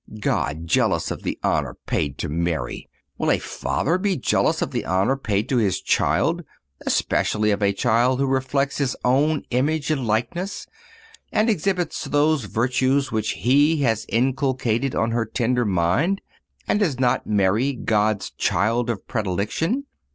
God jealous of the honor paid to Mary! Will a father be jealous of the honor paid to his child, especially of a child who reflects his own image and likeness, and exhibits those virtues which he had inculcated on her tender mind? And is not Mary God's child of predilection?